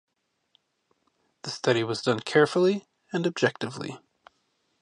The study was done carefully and objectively.